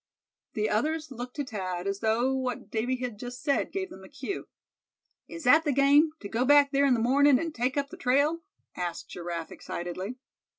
The others looked to Thad, as though what Davy had just said gave them a cue. "Is that the game, to go back there in the mornin', an' take up the trail?" asked Giraffe, excitedly.